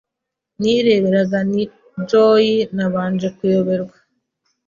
nireberaga ni Joy nabanje kuyoberwa